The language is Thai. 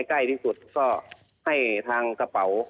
ใกล้ที่สุดก็ให้ทางกระเป๋า